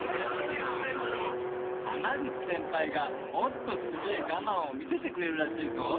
濱口先輩がもっとすげえガマンを見せてくれるらしいぞ